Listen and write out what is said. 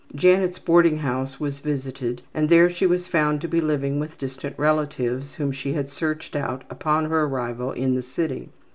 Janet's boarding house was visited and there she was found to be living with distant relatives whom she had searched out upon her arrival in the city.